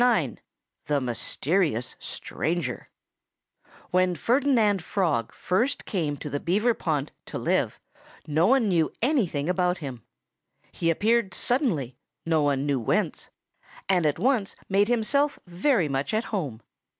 IX THE MYSTERIOUS STRANGER When Ferdinand Frog first came to the Beaver pond to live no one knew anything about him. He appeared suddenly no one knew whence and at once made himself very much at home.